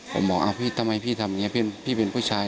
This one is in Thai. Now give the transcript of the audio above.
ผมบอกพี่ทำไมพี่ทำอย่างนี้พี่เป็นผู้ชาย